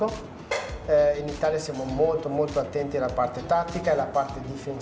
di italia kita sangat berhati hati dengan bagian taktik dan bagian pertahanan